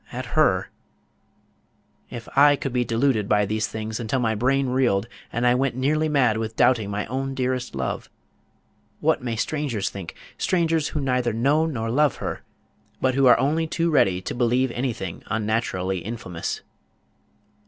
at her if I could be deluded by these things until my brain reeled, and I went nearly mad with doubting my own dearest love, what may strangers think strangers who neither know nor love her, but who are only too ready to believe anything unnaturally infamous?